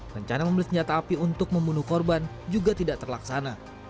rencana membeli senjata api untuk membunuh korban juga tidak terlaksana